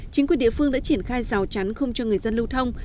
chính quyền địa phương đã triển khai rào chắn không cho người dân lưu thông